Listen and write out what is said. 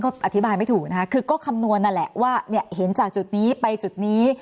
ก็อธิบายไม่ถูกนะคะคือก็คำนวณนั่นแหละว่าเนี่ยเห็นจากจุดนี้ไปจุดนี้